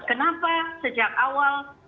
kenapa sejak awal